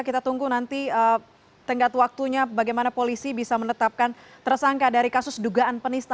kita tunggu nanti tenggat waktunya bagaimana polisi bisa menetapkan tersangka dari kasus dugaan penistaan